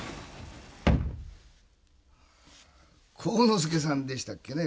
晃之助さんでしたっけね？